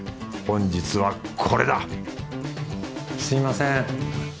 本日はこれだ！すみません。